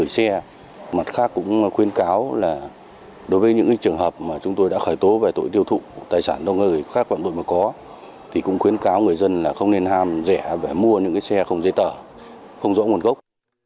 xe không dây tờ không rõ nguồn gốc